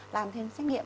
làm thêm xét nghiệm